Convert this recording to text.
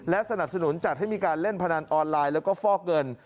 สนับสนุนจัดให้มีการเล่นพนันออนไลน์แล้วก็ฟอกเงิน